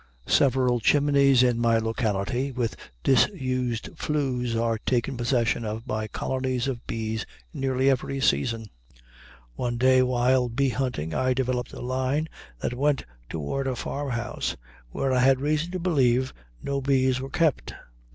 Several chimneys in my locality with disused flues are taken possession of by colonies of bees nearly every season. One day, while bee hunting, I developed a line that went toward a farmhouse where I had reason to believe no bees were kept.